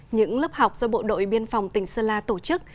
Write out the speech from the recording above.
những lớp học do bộ đội biên phòng tỉnh sơn la tổ chức